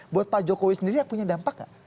buat pak jokowi sendiri punya dampak nggak